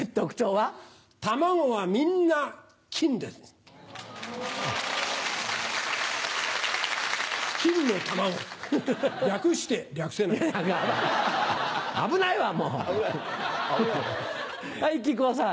はい木久扇さん。